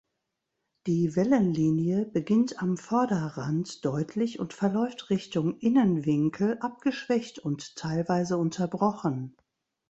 Die Wellenlinie beginnt am Vorderrand deutlich und verläuft Richtung Innenwinkel abgeschwächt und teilweise unterbrochen.